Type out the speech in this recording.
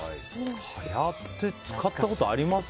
蚊帳って使ったことあります？